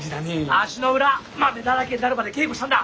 足の裏豆だらけになるまで稽古したんだ。